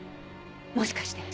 もしかして！